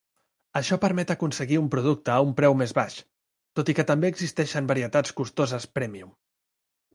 Això permet aconseguir un producte a un preu més baix, tot i que també existeixen varietats costoses "prèmium".